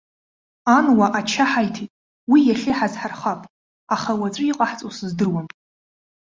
Ануа ача ҳаиҭеит, уи иахьа иҳазҳархап, аха уаҵәы иҟаҳҵо сыздыруам.